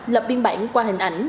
lập biên bản qua hình ảnh